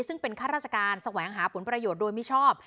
ซึ่งเป็นข้าราชการแสวงหาผลประโยชน์โดยมิชอบ